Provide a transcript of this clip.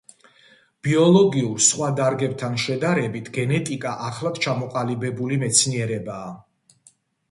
ბიოლოგიურ სხვა დარგებთან შედარებით გენეტიკა ახლად ჩამოყალიბებული მეცნიერებაა.